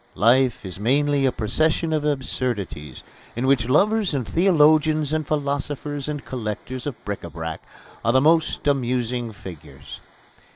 Life is mainly a procession of absurdities in which lovers and theologians and philosophers and collectors of bric à brac are the most amusing figures.